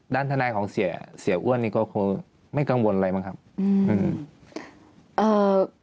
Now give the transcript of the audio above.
ด้านทนายของเสียเสียอ้วนนี่ก็คงไม่กังวลอะไรมั้งครับอืม